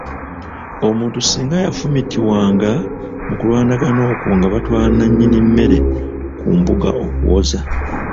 Omuntu singa yafumitiwanga mu kulwanagana okwo nga batwala nnannyini mmere ku mbuga okuwoza.